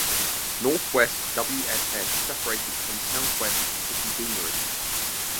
North West wss separated from South West of City Deanery.